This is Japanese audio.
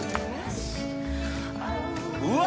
うわ！